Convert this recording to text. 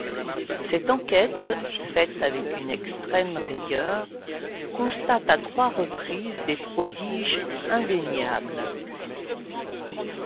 Cette enquête, faite avec une extrême rigueur, constate à trois reprises des prodiges indéniables.